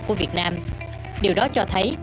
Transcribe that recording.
của việt nam điều đó cho thấy